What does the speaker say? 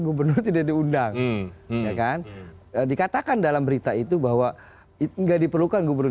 gubernur tidak diundang ya kan dikatakan dalam berita itu bahwa enggak diperlukan gubernur